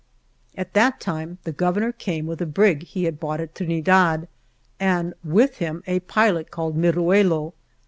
A T that time the Governor came with /A a brig he had bought at Trinidad, and with him a pilot called Miruelo.